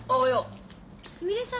すみれさん